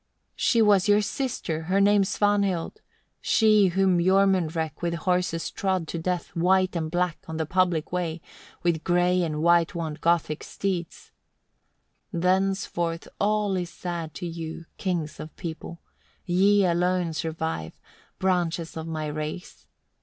3. "She was your sister, her name Svanhild, she whom Jormunrek with horses trod to death, white and black, on the public way, with grey and way wont Gothic steeds. 4. "Thenceforth all is sad to you, kings of people! Ye alone survive, 5. "Branches of my race.